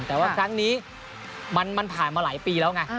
แต่ว่าครั้งนี้มันผ่านมาหลายปีแล้วไง